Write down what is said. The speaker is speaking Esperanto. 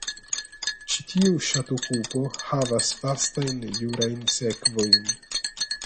Ĉi tiu ŝatokupo havas vastajn jurajn sekvojn.